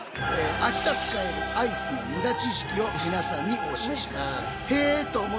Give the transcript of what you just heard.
明日使えるアイスのムダ知識を皆さんにお教えします。